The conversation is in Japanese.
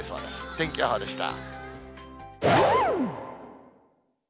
天気予報でした。